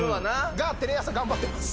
がテレ朝頑張ってます。